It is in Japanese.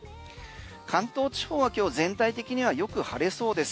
関東地方は今日全体的にはよく晴れそうです。